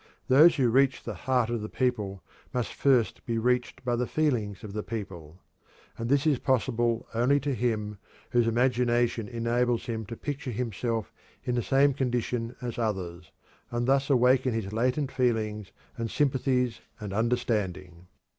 Those who reach the heart of the people must first be reached by the feelings of the people. And this is possible only to him whose imagination enables him to picture himself in the same condition as others, and thus awaken his latent feelings and sympathies and understanding.